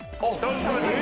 確かに！